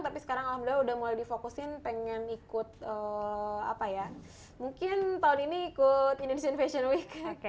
tapi sekarang alhamdulillah udah mulai difokusin pengen ikut apa ya mungkin tahun ini ikut indonesian fashion week